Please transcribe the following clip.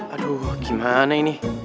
aduh gimana ini